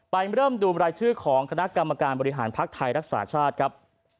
เริ่มดูรายชื่อของคณะกรรมการบริหารภักดิ์ไทยรักษาชาติครับ